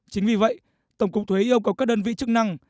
chính vì vậy tổng cục thuế yêu cầu các đơn vị chức năng